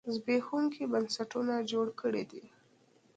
زبېښونکي بنسټونه جوړ کړي دي.